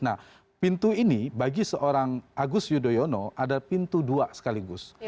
nah pintu ini bagi seorang agus yudhoyono ada pintu dua sekaligus